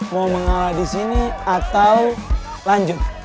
mau mengalah disini atau lanjut